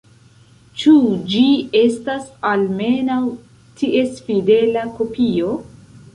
Ĉu ĝi estas almenaŭ ties fidela kopio?